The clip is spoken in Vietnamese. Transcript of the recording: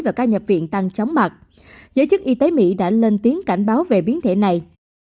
và ca nhập viện tăng chóng mặt giới chức y tế mỹ đã lên tiếng cảnh báo về biến thể này